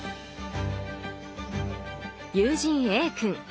友人Ａ君。